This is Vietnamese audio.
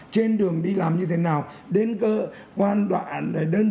trên đường đi làm như thế nào đến cơ quan đoạn đơn vị thì làm như thế nào